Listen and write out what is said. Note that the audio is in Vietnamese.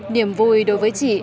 niềm vui đối với chị